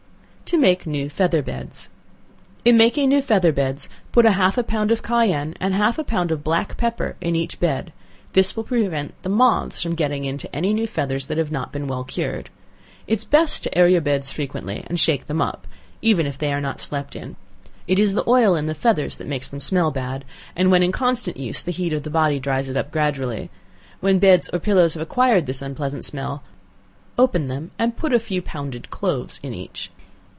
To make New Feather Beds. In making new feather beds, put half a pound of cayenne, and half a pound of black pepper in each bed; this will prevent the moths from getting into new feathers that have not been well cured. It is best to air your beds frequently, and shake them up, even if they are not slept in. It is the oil in the feathers that makes them smell bad, and when in constant use the heat of the body dries it up gradually; when beds or pillows have acquired this unpleasant smell, open them and put a few pounded cloves in each.